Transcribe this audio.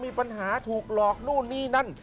มีปัญหาถูกหลอกนู่นนี่นั่น